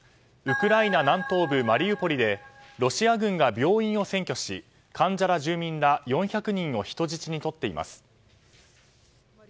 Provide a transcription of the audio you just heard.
ウクライナ南東部マリウポリでロシア軍が病院を占拠し患者ら住民ら４００人を人質に取っています。